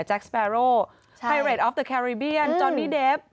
แจ็กสเปรอล์ไฮเรดออฟเทอร์แครีเบียนจอนนี้เดฟต์